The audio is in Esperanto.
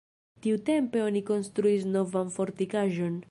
Tiutempe oni konstruis novan fortikaĵon.